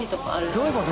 どういうこと？